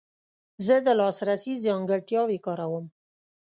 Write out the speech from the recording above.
زه د لاسرسي ځانګړتیاوې کاروم.